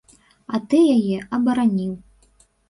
А ты яе абараніў.